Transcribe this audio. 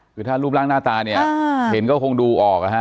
คือถ้ารูปร่างหน้าตาเนี่ยเห็นก็คงดูออกนะฮะ